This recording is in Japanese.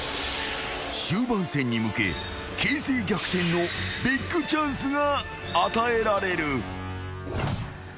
［終盤戦に向け形勢逆転のビッグチャンスが与えられる］